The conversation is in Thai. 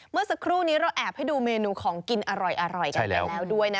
เมื่อสักครู่นี้เราแอบให้ดูเมนูของกินอร่อยกันไปแล้วด้วยนะ